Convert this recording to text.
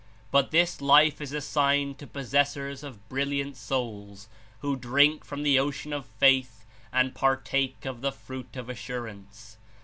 But this Life is assigned to possessors of brilliant souls who drink from the ocean of faith and partake of the fruit of assurance.